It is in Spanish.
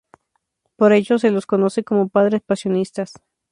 Por ello se los conoce como padres "pasionistas".